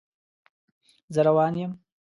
زه روان یم